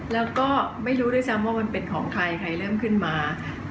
แล้วก็ไม่รู้ด้วยซ้ำว่ามันเป็นของใครใครเริ่มขึ้นมา